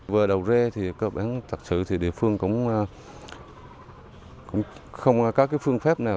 về đầu rê thì cơ bản thật sự thì địa phương cũng không có cái phương phép nào